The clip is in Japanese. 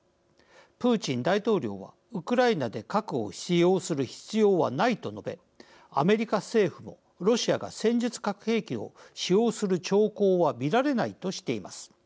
プーチン大統領は、ウクライナで核を使用する必要はないと述べアメリカ政府もロシアが戦術核兵器を使用する兆候は見られないとしています。